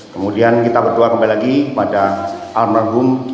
kemudian kita berdoa kembali lagi pada almarhum